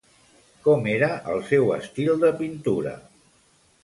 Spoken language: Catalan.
Com era el seu estil de pintura?